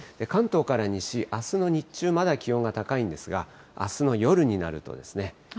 関東から西、あすの日中、まだ気温が高いんですが、あすの夜になると。